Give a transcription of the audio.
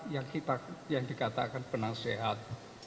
yang kita yang dikatakan penasehat